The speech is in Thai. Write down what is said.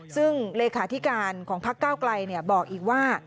ซึ่งเลขาธิการของพักเก้าไกลบอกอีกว่า